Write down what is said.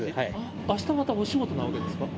あしたまたお仕事なわけですか？